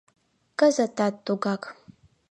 Кызытат тугак.